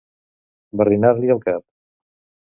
Barrinar-li el cap.